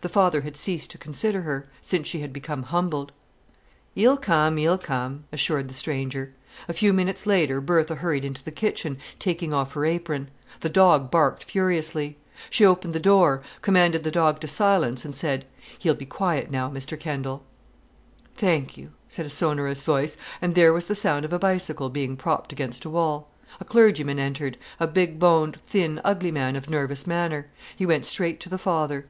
The father had ceased to consider her, since she had become humbled. "'E'll come—'e'll come!" assured the stranger. A few minutes later Bertha hurried into the kitchen, taking off her apron. The dog barked furiously. She opened the door, commanded the dog to silence, and said: "He will be quiet now, Mr Kendal." "Thank you," said a sonorous voice, and there was the sound of a bicycle being propped against a wall. A clergyman entered, a big boned, thin, ugly man of nervous manner. He went straight to the father.